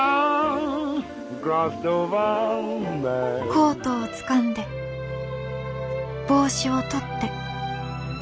「コートをつかんで帽子を取って」。